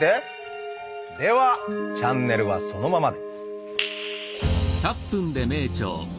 ではチャンネルはそのままで！